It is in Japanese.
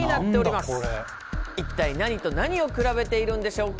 一体何と何を比べているんでしょうか？